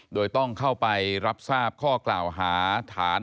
โดยต้องเข้าไปรับทราบข้อกล่าวหาฐาน